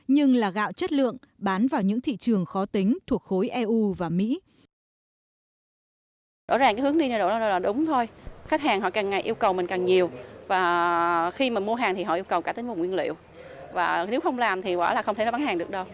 nhưng là gạo chất lượng bán vào những thị trường khó tính